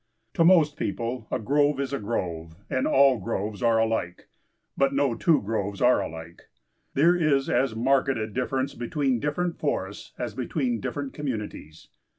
To most people a grove is a grove, and all groves are alike. But no two groves are alike. There is as marked a difference between different forests as between different communities.